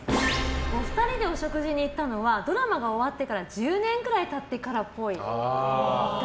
お二人にお食事に行ったのはドラマが終わってから１０年くらい経ってからっぽい。